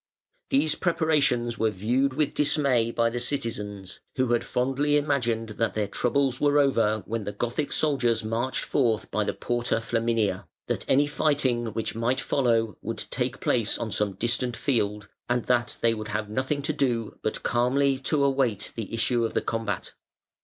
These preparations were viewed with dismay by the citizens, who had fondly imagined that their troubles were over when the Gothic soldiers marched forth by the Porta Flaminia; that any fighting which might follow would take place on some distant field, and that they would have nothing to do but calmly to await the issue of the combat.